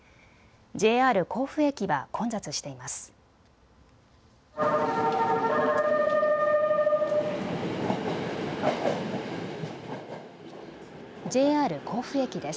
ＪＲ甲府駅は混雑しています。